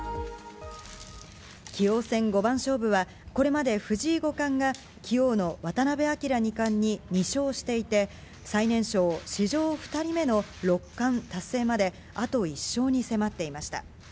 棋王戦五番勝負は、これまで藤井五冠が棋王の渡辺明二冠に２勝していて、最年少、史上２人目の六冠達成まであと１勝に迫っていました。